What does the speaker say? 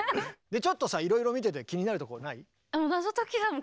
ちょっとさいろいろ見てて気になるところない？